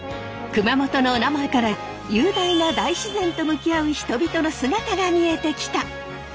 熊本のおなまえから雄大な大自然と向き合う人々の姿が見えてきた！